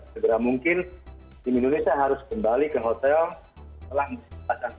segera mungkin tim indonesia harus kembali ke hotel setelah pasang hendra